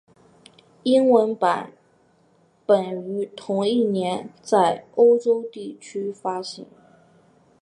英文版本于同一年在欧洲地区发行。